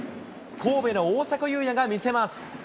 神戸の大迫勇也が見せます。